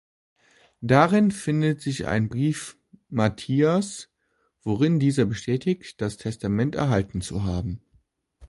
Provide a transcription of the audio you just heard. Darin findet sich ein Brief Matthias’, worin dieser bestätigt, das Testament erhalten zu haben.